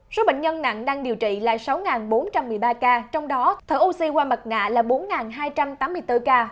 số bệnh nhân nặng đang điều trị là sáu bốn trăm một mươi ba ca trong đó thở oxy qua mặt nạ là bốn hai trăm tám mươi bốn ca